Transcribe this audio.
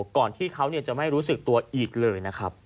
ก่อนที่เค้าก็ไม่รู้สึกตัวอีกเลย